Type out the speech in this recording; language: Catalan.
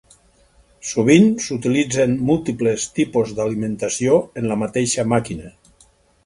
Sovint, s'utilitzen múltiples tipus d'alimentació en la mateixa màquina.